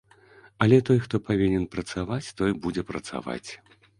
Але той, хто павінен працаваць, той будзе працаваць.